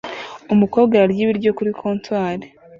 Umukobwa ararya ibiryo kuri comptoir